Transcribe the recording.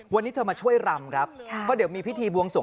วันนี้เธอมาช่วยรำครับเพราะเดี๋ยวมีพิธีบวงสวง